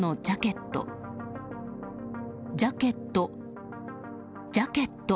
ジャケット、ジャケット。